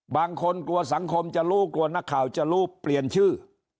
บางคนกลัวสังคมจะรู้กลัวนักข่าวจะรู้เปลี่ยนชื่อ